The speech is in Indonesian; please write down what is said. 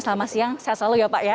selamat siang sehat selalu ya pak ya